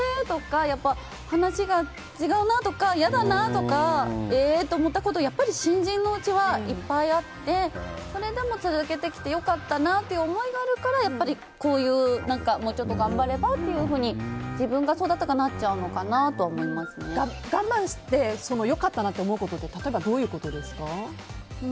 話が違うなとか、嫌だなとかえーと思ったことはやっぱり新人のうちはいっぱいあってそれでも続けてきて良かったなっていう思いがあるから、もうちょっと頑張ればというふうに自分がそうだったから我慢して良かったなと思うことって例えばどういうことですか？